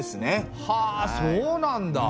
はあそうなんだ！